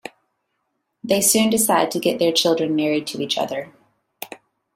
They soon decide to get their children married to each other.